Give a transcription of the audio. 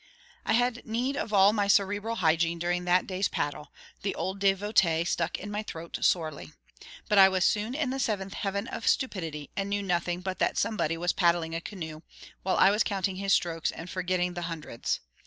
I had need of all my cerebral hygiene during that day's paddle: the old devotee stuck in my throat sorely. But I was soon in the seventh heaven of stupidity; and knew nothing but that somebody was paddling a canoe, while I was counting his strokes and forgetting the hundreds.